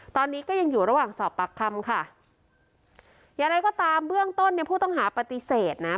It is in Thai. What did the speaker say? ตอนนี้ก็ยังอยู่ระหว่างสอบปากคำค่ะอย่างไรก็ตามเบื้องต้นเนี่ยผู้ต้องหาปฏิเสธนะ